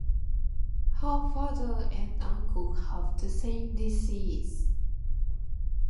Her father and uncle have the same disease.